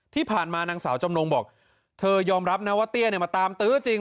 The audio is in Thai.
ที่ผ่านมานางสาวจำนงบอกเธอยอมรับนะว่าเตี้ยเนี่ยมาตามตื้อจริง